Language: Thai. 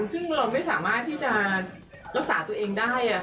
ซึ่งเราไม่สามารถที่จะรักษาตัวเองได้